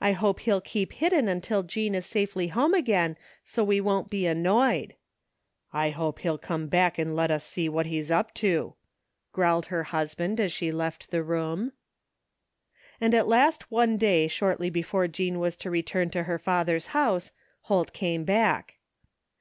I hope he'll keep hidden until Jean is safely home again so we won't be annoyed." 167 THE FINDING OF JASPER HOLT 9> I hope he'll come back and let us see what he's up to," growled her husband as she left the room. And at last one day shortly before Jean was to re turn to her father's house, Holt came back.